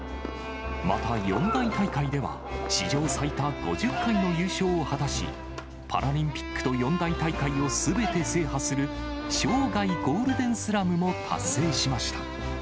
また四大大会では、史上最多５０回の優勝を果たし、パラリンピックと四大大会をすべて制覇する生涯ゴールデンスラムも達成しました。